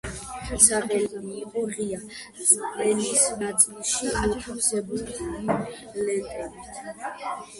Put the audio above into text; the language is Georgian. საყელო იყო ღია, წელის ნაწილში მოთავსებული ლენტებით.